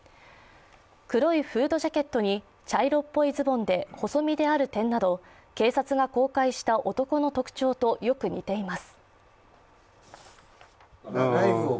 黒いフードジャケットに茶色っぽいズボンで細身である点など警察が公開した男の特徴とよく似ています。